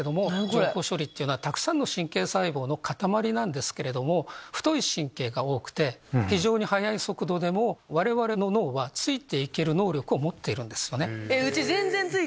情報処理っていうのはたくさんの神経細胞の塊なんですけれども太い神経が多くて非常に速い速度でも我々の脳はついていける能力を持っているんです。